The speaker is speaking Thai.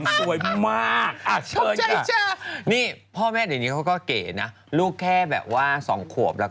สวยมากเชิญค่ะนี่พ่อแม่เดี๋ยวนี้เขาก็เก๋นะลูกแค่แบบว่า๒ขวบแล้วก็